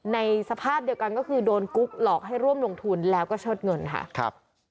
ในสภาพเดียวกันก็คือโดนกุ๊กหลอกให้ร่วมลงทุนแล้วก็เชิดเงินค่ะครับ